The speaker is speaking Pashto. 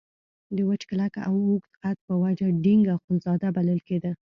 د وچ کلک او اوږده قد په وجه ډینګ اخندزاده بلل کېده.